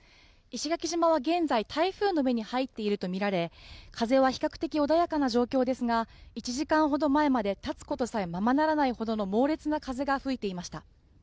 石垣島は現在台風の目に入っていると見られ風は比較的穏やかな状況ですが１時間ほど前まで立つことさえままならないほどの猛烈な風が吹いていました